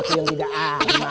aku yang tidak aman